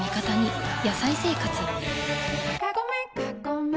「野菜生活」